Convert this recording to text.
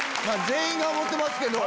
全員が思ってますけど。